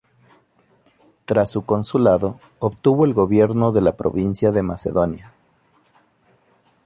Tras su consulado, obtuvo el gobierno de la provincia de Macedonia.